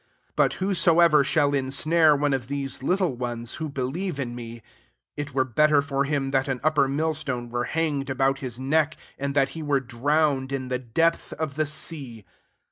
6 But whosoever shall insnare one of these little ones, who believe in me, it were better for him that an upper mill stone were hang ed about his neck, and that he were drowned in the depth of the sea.